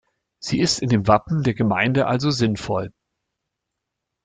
Sie ist in dem Wappen der Gemeinde also sinnvoll.